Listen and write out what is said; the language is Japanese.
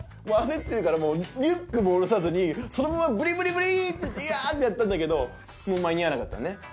もう焦ってるからリュックもおろさずにそのままブリブリブリっていやってやったんだけどもう間に合わなかったのね。